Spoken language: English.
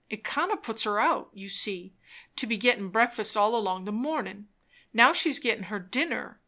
It kind o' puts her out, you see, to be gettin' breakfast all along the mornin'. Now she's gettin' her dinner.